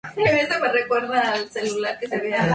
Jon Pareles de "The New York Times" lo llamó valiente y hábil.